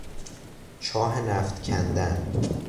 چاه نفت کندن